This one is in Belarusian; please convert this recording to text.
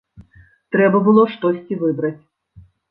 Трэба было штосьці выбраць.